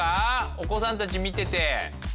お子さんたち見てて。